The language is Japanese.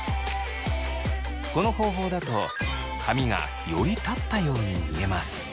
この方法だと髪がより立ったように見えます。